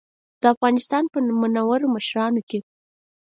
د افغانستان په منورو مشرانو کې.